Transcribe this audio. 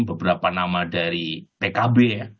beberapa nama dari pkb ya